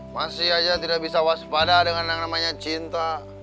masih aja tidak bisa waspada dengan yang namanya cinta